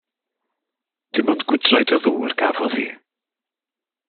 Dim ond gwydraid o ddŵr gafodd hi.